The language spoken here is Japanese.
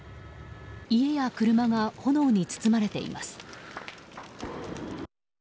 家や車が炎に包まれています。